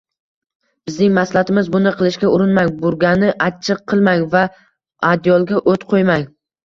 Bizning maslahatimiz: buni qilishga urinmang, burgani achchiq qilmang va adyolga o't qo'ymang